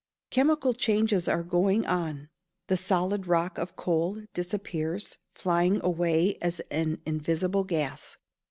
Chemical changes are going on; the solid rock of coal disappears, flying away as an invisible gas.